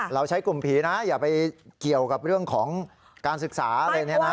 เราใช้กลุ่มผีนะอย่าไปเกี่ยวกับเรื่องของการศึกษาอะไรเนี่ยนะ